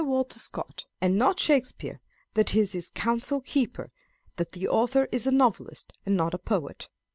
Walter Scott and not Shakespeare that is his counsel keeper, that the author is a novelist and not a poet.